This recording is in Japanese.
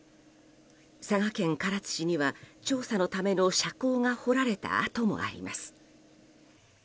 佐賀県唐津市には調査のための斜坑が掘られた跡もあります。